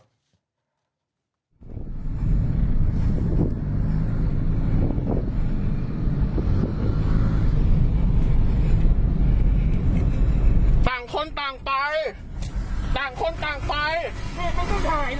กระจกของเขาภังหน้ากลางฝั่งด้วย